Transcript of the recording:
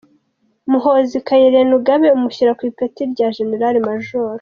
Muhoozi Kainerugaba amushyira ku ipeti rya General Major.